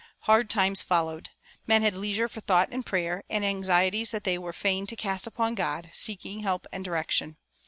Hard times followed. Men had leisure for thought and prayer, and anxieties that they were fain to cast upon God, seeking help and direction.